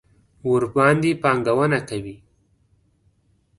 ورباندې پانګونه کوي.